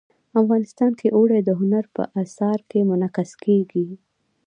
افغانستان کې اوړي د هنر په اثار کې منعکس کېږي.